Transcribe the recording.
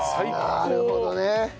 なるほどね。